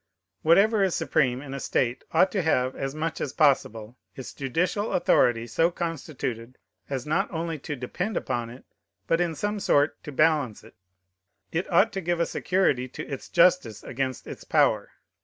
Whatever is supreme in a state ought to have, as much as possible, ifs judicial authority so constituted as not only not to depend upon it, but in some sort to balance it. It ought to give a security to its justice against its power.